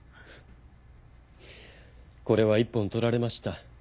これは一本取られました。